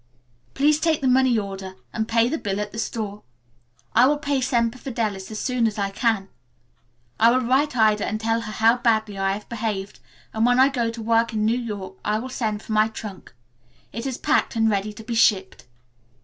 "Please take the money order and pay the bill at the store. I will pay Semper Fidelis as soon as I can. I will write Ida and tell her how badly I have behaved, and when I go to work in New York I will send for my trunk. It is packed and ready to be shipped.